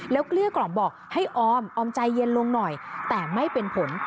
เกลี้ยกล่อมบอกให้ออมออมใจเย็นลงหน่อยแต่ไม่เป็นผล